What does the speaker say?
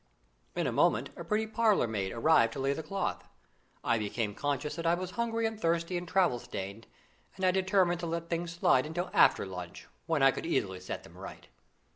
In a moment a pretty parlour maid arrived to lay the cloth. I became conscious that I was hungry and thirsty and travel stained, and I determined to let things slide till after lunch, when I could easily set them right.